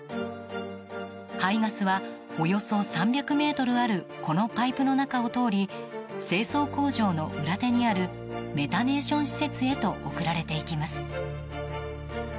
排ガスはおよそ３００ｍあるこのパイプの中を通り清掃工場の裏手にあるメタネーション施設へと送られていきます。